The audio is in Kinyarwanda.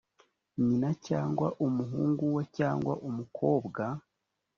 nyina cyangwa umuhungu we cyangwa umukobwa